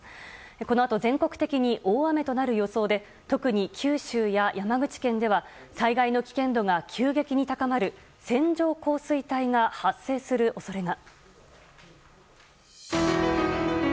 このあと全国的に大雨となる予想で特に九州や山口県では災害の危険度が急激に高まる線状降水帯が発生する恐れが。